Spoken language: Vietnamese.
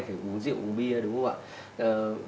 phải uống rượu uống bia đúng không ạ